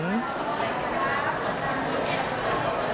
ทั้งเหยียนพร่าวของทุกคนที่มา